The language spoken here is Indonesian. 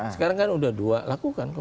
sekarang kan udah dua lakukan komunikasi